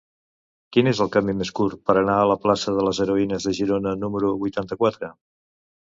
Quin és el camí més curt per anar a la plaça de les Heroïnes de Girona número vuitanta-quatre?